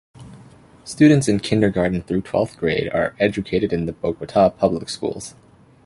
Students in Kindergarten through twelfth grade are educated in the Bogota Public Schools.